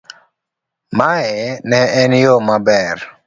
mae ne en yo maber